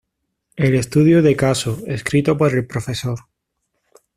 El estudio de caso, escrito por el Prof.